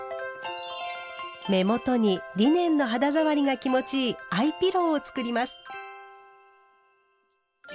目元にリネンの肌触りが気持ちいい「アイピロー」を作ります。